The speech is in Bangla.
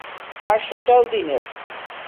আর সেটাও দিনের।